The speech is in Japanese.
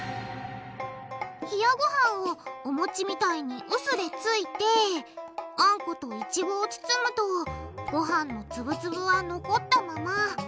冷やごはんをおもちみたいにうすでついてあんこといちごを包むとごはんのツブツブは残ったまま。